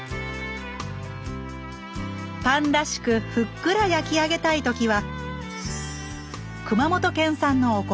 パンらしくふっくら焼き上げたいときは熊本県産のお米